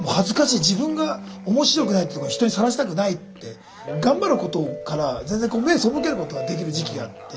自分が面白くないってとこを人にさらしたくないって頑張ることから全然目背けることができる時期があって。